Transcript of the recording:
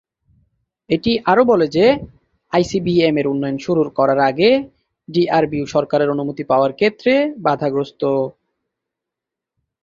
এটি আরও বলে যে আইসিবিএম-এর উন্নয়ন শুরু করার আগে ডিআরডিও সরকারের অনুমতি পাওয়ার ক্ষেত্রে বাধাগ্রস্থ।